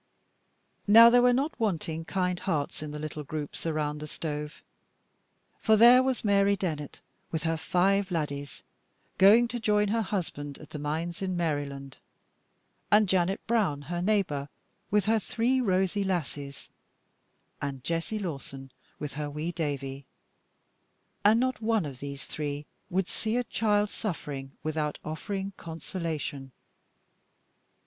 Now there were not wanting kind hearts in the little groups around the stove; for there was Mary Dennett, with her five laddies, going to join her husband at the mines in Maryland; and Janet Brown, her neighbor, with her three rosy lassies; and Jessie Lawson, with her wee Davie; and not one of these three would see a child suffering without offering consolation.